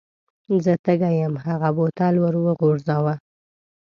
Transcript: زه تږی یم هغه بوتل ور وغورځاوه.